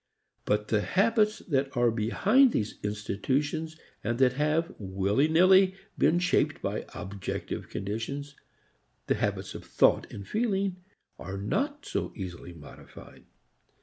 But the habits that are behind these institutions and that have, willy nilly, been shaped by objective conditions, the habits of thought and feeling, are not so easily modified.